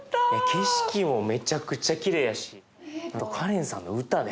景色もめちゃくちゃきれいやしあとカレンさんの歌ね。